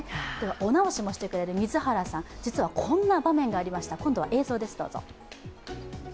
お直しもしてくれる水原さん、実はこんな場面がありました。